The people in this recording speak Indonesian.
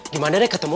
gimana deh ketemu